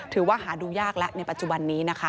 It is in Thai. ถือว่าหาดูยากแล้วในปัจจุบันนี้นะคะ